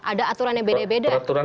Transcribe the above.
ada aturannya beda beda